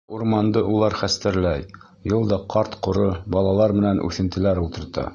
Ә урманды улар хәстәрләй, йыл да ҡарт-ҡоро, балалар менән үҫентеләр ултырта.